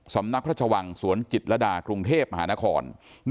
สำนักพระชวังสวนจิตรดากรุงเทพมหานคร